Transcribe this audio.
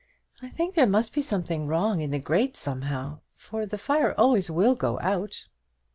"I think there must be something wrong in the grate somehow, for the fire always will go out."